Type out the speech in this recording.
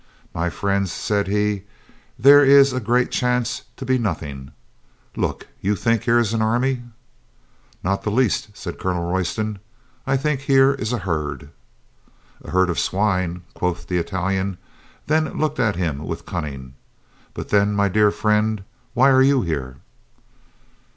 "My friends," said he, "there is a great chance to be nothing. Look! You think here is an army —" io6 COLONEL GREATHEART "Not the least," said Colonel Royston. "I think here is a herd." "And a herd of swine," quoth the Italian, then looked at him with cunning. "But then, my dear friend, why are you here?"